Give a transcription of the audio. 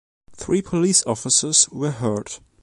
Three police officers were hurt.